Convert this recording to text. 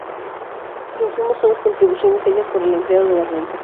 Insumos son las contribuciones hechas por el empleado de la organización.